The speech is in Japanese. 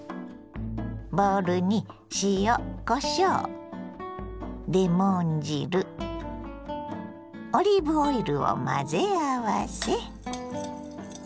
ボウルに塩こしょうレモン汁オリーブオイルを混ぜ合わせ。